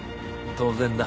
当然だ。